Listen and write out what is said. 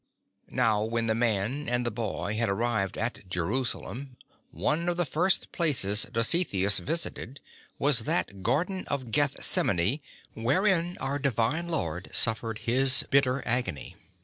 Now when the man and the boy had arrived at Jerusalem, one of the first places Dositheus visited was that Garden of Gethsemani wherein our Divine Lord suffered His bitter agony.